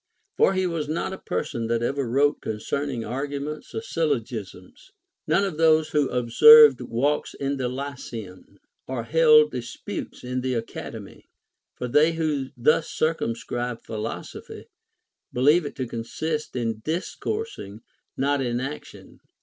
For he was not a person that ever wrote concerning arguments or syllogisms ; none of those who observed walks in the Lyceum, or held disputes in the Academy ; for they Λνΐιο thus circumscribe philosophy be lieve it to consist in discoursing, not in action.